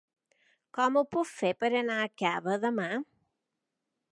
Com ho puc fer per anar a Cava demà?